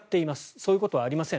そういうことはありません。